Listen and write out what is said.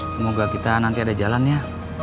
semoga kita nanti ada jalan ya